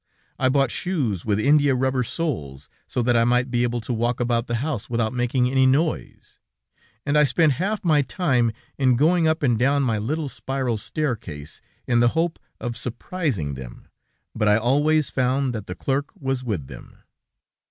I bought shoes with india rubber soles, so that I might be able to walk about the house without making any noise, and I spent half my time in going up and down my little spiral staircase, in the hope of surprising them, but I always found that the clerk was with them.